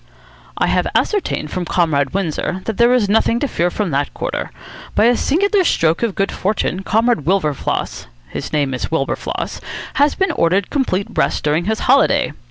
"I have ascertained from Comrade Windsor that there is nothing to fear from that quarter. By a singular stroke of good fortune Comrade Wilberfloss his name is Wilberfloss has been ordered complete rest during his holiday.